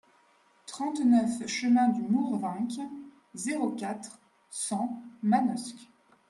trente-neuf chemin du Mourvenc, zéro quatre, cent Manosque